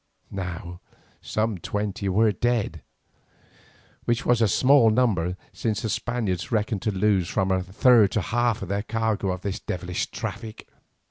Now some twenty were dead, which was a small number, since the Spaniards reckon to lose from a third to half of their cargo in this devilish traffic.